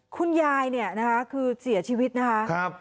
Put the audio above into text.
คุณยายเนี่ยนะคะคือเสียชีวิตนะคะ